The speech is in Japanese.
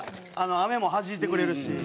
雨もはじいてくれるし。